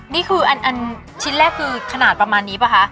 นี่คืออันชิ้นแรกคือขนาดประมาณนี้ป่ะคะ